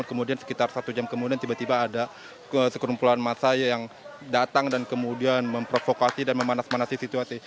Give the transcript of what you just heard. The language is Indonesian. kemudian sekitar satu jam kemudian tiba tiba ada sekumpulan massa yang datang dan kemudian memprovokasi dan memanas manasi situasi